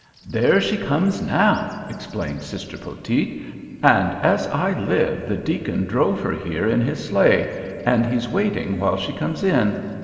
"There she comes now," explained Sister Poteet, "and as I live the deacon drove her here in his sleigh, and he's waiting while she comes in.